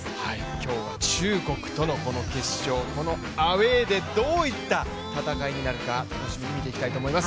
今日は中国との決勝、このアウェーでどういった戦いになるか楽しみに見ていきたいと思います。